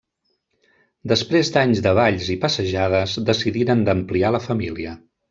Després d'anys de balls i passejades, decidiren d'ampliar la família.